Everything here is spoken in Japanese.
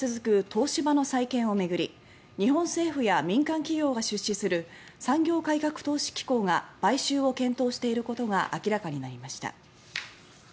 東芝の再建を巡り日本政府や民間企業が出資する産業革新投資機構が買収を検討していることが明らかになりました。